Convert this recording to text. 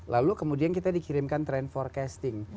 lalu kemudian kita dikirimkan trend forecasting